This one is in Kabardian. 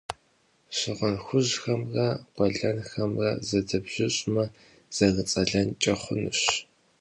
Щыгъын хужьхэмрэ къуэлэнхэмрэ зэдэбжьыщӏмэ, зэрыцӏэлэнкӏэ хъунущ.